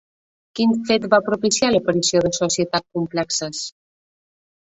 Quin fet va propiciar l'aparició de societats complexes?